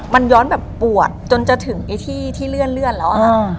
มันย้อนแบบปวดจนจะถึงที่เลื่อนแล้ว